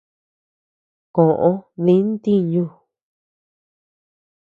Koʼö dï ntiñu.